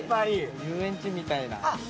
遊園地みたいな。